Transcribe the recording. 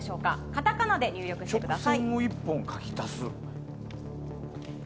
カタカナで入力してください。